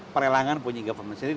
perelangan punya e government sendiri